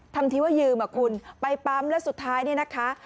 ทำทีว่ายืมอ่ะคุณไปปั๊มแล้วสุดท้ายเนี่ยนะคะ